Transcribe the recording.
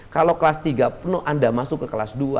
kalau kelas tiga penuh anda masuk ke kelas dua